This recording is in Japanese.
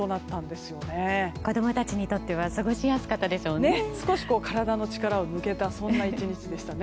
子供たちにとっては過ごしやすかったでしょうね。